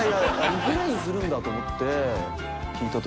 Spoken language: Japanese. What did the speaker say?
リフレインするんだと思って聴いたときに。